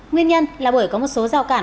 nguyên nhân là bởi có một số rào cản